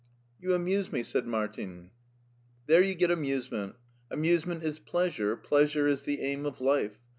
" You amuse me," said Martin. '* There you get amusement : amusement is pleasure, pleasure is the aim of life.